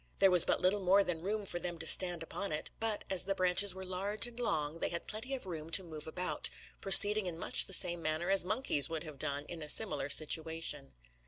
There was but little more than room for them to stand upon it; but, as the branches were large and long, they had plenty of room to move about, proceeding in much the same manner as monkeys would have done in a similar situation.